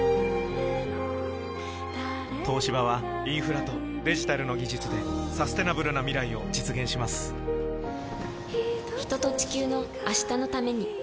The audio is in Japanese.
東芝はインフラとデジタルの技術でサステナブルな未来を実現します人と、地球の、明日のために。